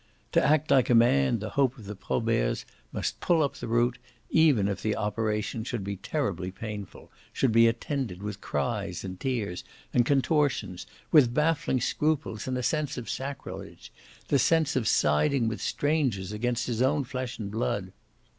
To act like a man the hope of the Proberts must pull up the root, even if the operation should be terribly painful, should be attended with cries and tears and contortions, with baffling scruples and a sense of sacrilege, the sense of siding with strangers against his own flesh and blood.